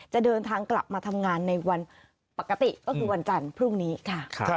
จะเดินทางกลับมาทำงานในวันปกติก็คือวันจันทร์พรุ่งนี้ค่ะ